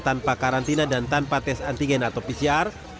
tanpa karantina dan tanpa tes antigen atau pcr